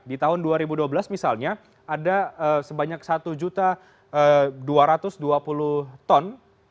di tahun dua ribu dua belas misalnya ada sebanyak satu dua ratus dua puluh ton